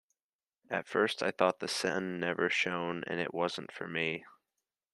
At first I thought the sun never shone and it wasn't for me.